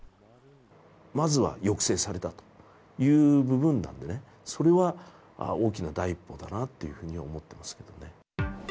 まずは抑制されたという部分なんでね、それは大きな第一歩だなというふうに思っていますけれどもね。